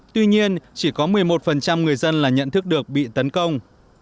tuy nhiên chỉ có một mươi một người dân là nhận thức được bị tấn công